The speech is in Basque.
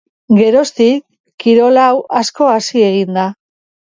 Geroztik kirol hau asko hasi egin da.